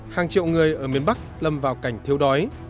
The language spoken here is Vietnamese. hàng triệu người ở miền bắc lâm vào cảnh thiếu đói